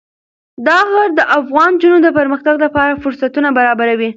دا غر د افغان نجونو د پرمختګ لپاره فرصتونه برابروي.